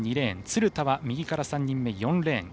鶴田は右から３人目、４レーン。